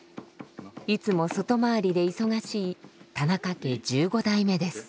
いつも外回りで忙しい田中家１５代目です。